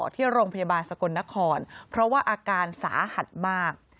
ที่โรงพยาบาลสกลนครเพราะว่าอาการสาหัสมาก